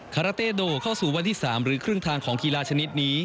คาราเต้โดเข้าสู่วันที่๓หรือครึ่งทางของกีฬาชนิดนี้